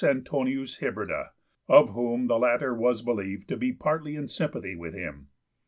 Antonius Hybrida, of whom the latter was believed to be partly in sympathy with him.